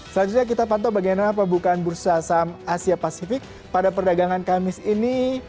selanjutnya kita pantau bagaimana pembukaan bursa saham asia pasifik pada perdagangan kamis ini